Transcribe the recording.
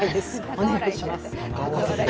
お願いします。